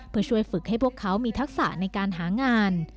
เพื่อช่วยฝึกให้พวกเขามีทักษะในการหางาน